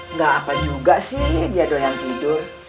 nggak apa juga sih dia doyan tidur